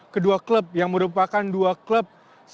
kedua klub yang merupakan dua klub